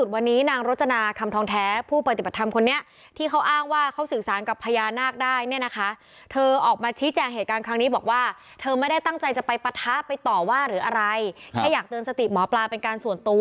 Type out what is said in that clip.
ว่าอีก๓เดือนว่าอะไรจะเกิดขึ้น